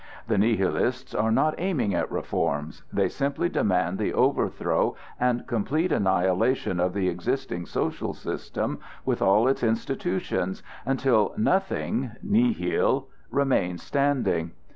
The Nihilists are not aiming at reforms; they simply demand the overthrow and complete annihilation of the existing social system with all its institutions, until nothing (nihil) remains standing.